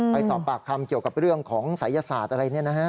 ไปสอบปากคำเกี่ยวกับเรื่องของศัยศาสตร์อะไร